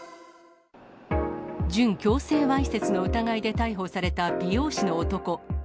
準強制わいせつの疑いで逮捕された美容師の男。